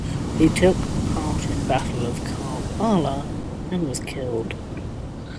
He took part in battle of Karbala and was killed.